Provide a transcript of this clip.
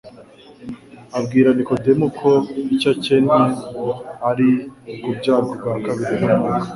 Abwira Nikodemu ko icyo akencye ari ukubyarwa ubwa kabiri n'umwuka,